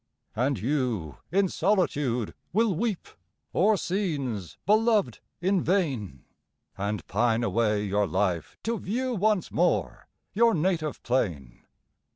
And you in solitude will weep O'er scenes beloved in vain, And pine away your life to view Once more your native plain.